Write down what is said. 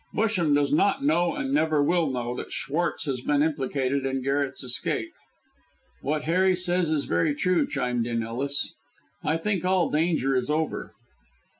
Busham does not know, and never will know, that Schwartz has been implicated in Garret's escape." "What Harry says is very true," chimed in Ellis. "I think all danger is over."